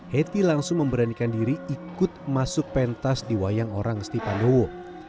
heti langsung memberanikan diri ikut masuk pentas di wayang orang ngesti pandowo